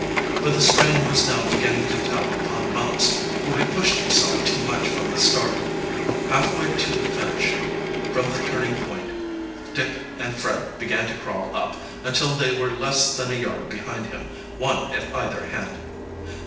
But the strain was now beginning to tell upon Mumps, who had pushed himself too much from the start. Halfway to the finish from the turning point Dick and Fred began to crawl up, until they were less than a yard behind him, one at either hand.